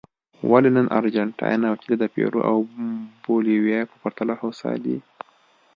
ولې نن ارجنټاین او چیلي د پیرو او بولیویا په پرتله هوسا دي.